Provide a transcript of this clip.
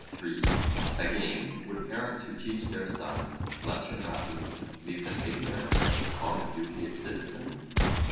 (3) Again, would parents who teach her sons lesser matters leave them ignorant of the common duty of citizens?